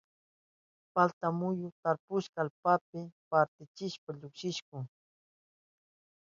Palta muyu tarpushpan allpata partichishpa llukshin.